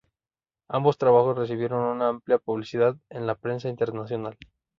Ambos trabajos recibieron una amplia publicidad en la prensa internacional.